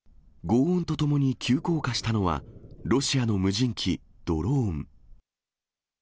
ごう音とともに急降下したのは、ロシアの無人機、ドローン。